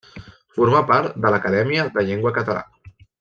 Formà part de l'Acadèmia de Llengua Catalana.